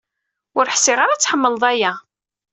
Ur ḥṣiɣ ara ad tḥemleḍ aya.